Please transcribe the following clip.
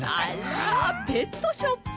あらペットショップ？